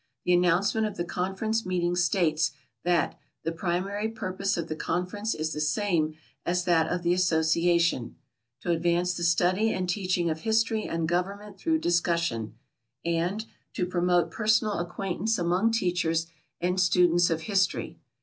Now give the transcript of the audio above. The announcement of the conference meeting states that "The primary purpose of the conference is the same as that of the association 'to advance the study and teaching of history and government through discussion,' and 'to promote personal acquaintance among teachers and students of history.